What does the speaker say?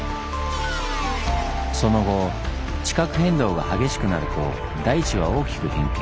その後地殻変動が激しくなると大地は大きく変形。